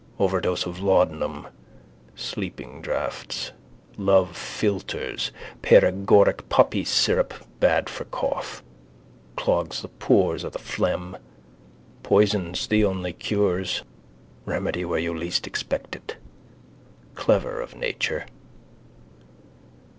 Overdose of laudanum. Sleeping draughts. Lovephiltres. Paragoric poppysyrup bad for cough. Clogs the pores or the phlegm. Poisons the only cures. Remedy where you least expect it. Clever of nature.